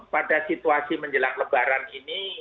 pada situasi menjelang lebaran ini